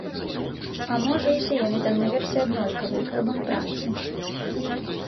А можа, усе яны там наверсе аднолькавыя, каб ім пранцы.